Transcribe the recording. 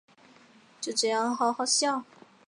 就这样喔好好笑